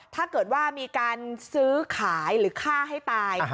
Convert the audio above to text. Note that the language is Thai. ถ้าเกิดว่ามีการซื้อขายหรือฆ่าให้ตาย